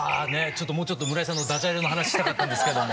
もうちょっと村井さんのダジャレの話したかったんですけども。